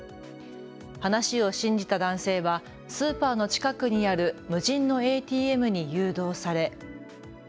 話を信じた男性はスーパーの近くにある無人のＡＴＭに誘導され。